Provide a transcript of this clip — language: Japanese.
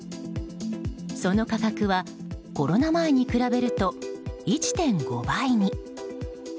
その価格はコロナ前に比べると１．５倍に。